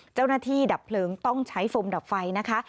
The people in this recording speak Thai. เจ้าหน้าที่ดับเพลิงต้องใช้ฟุมดับไฟนะคะ